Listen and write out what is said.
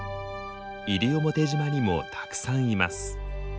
西表島にもたくさんいます。